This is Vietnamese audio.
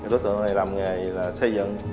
đối tượng này làm nghề xây dựng